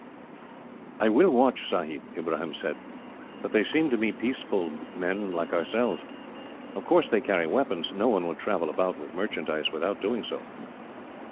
"I will watch, Sahib," Ibrahim said. "But they seem to me peaceable men like ourselves. Of course they carry weapons. No one would travel about, with merchandise, without doing so."